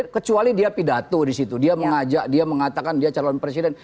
kecuali dia pidato disitu dia mengajak dia mengatakan dia calon presiden